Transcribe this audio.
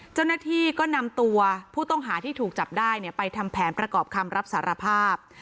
เจ้าหน้าที่ก็นำตัวผู้ต้องหาที่ถูกจับได้ไปทำแผนประกอบคำรับสารภาพ